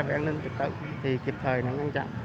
về an ninh trực tận thì kịp thời ngăn chặn